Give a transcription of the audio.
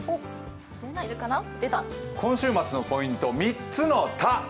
今週末のポイント、３つの田。